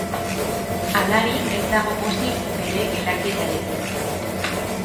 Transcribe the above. Anari ez dago pozik bere gelakidearekin.